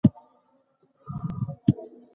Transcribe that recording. ټولنه به تل د خپل لرغوني کلتور د ساتلو هڅه کوي.